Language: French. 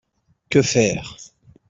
Que faire ?